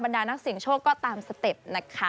ดานักเสียงโชคก็ตามสเต็ปนะคะ